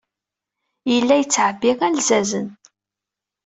Yella yettɛebbi alzazen.